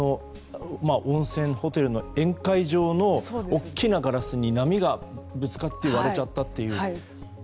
温泉、ホテルの宴会場の大きなガラスに波がぶつかって割れちゃったという。